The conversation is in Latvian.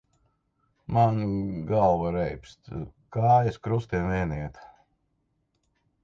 Man galva reibst, kājas krustiem vien iet.